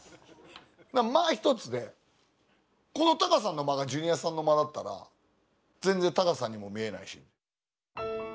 だから間一つでこのタカさんの間がジュニアさんの間だったら全然タカさんにも見えないし。